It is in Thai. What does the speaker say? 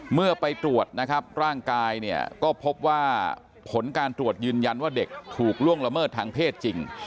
เมื่อไปตรวจนะครับร่างกายเนี่ยก็พบว่าผลการตรวจยืนยันว่าเด็กถูกล่วงละเมิดทางเพศจริง